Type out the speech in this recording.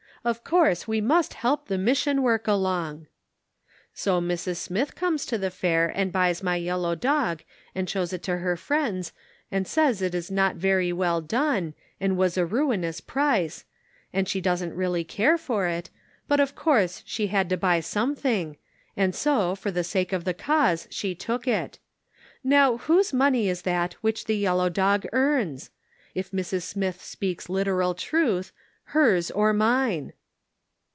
Of course we must help the mission work along.' So Mrs. Smith comes to the fair and buys my yellow dog, and shows it to her friends, and says it is not very well done, and was a ruinous price, and she doesn't really care for it, but, of course, she had to buy some thing, and so, for the sake of the cause, she took it. Now, whose money is that which the yellow dog earns ? If Mrs. Smith speaks literal truth her's or mine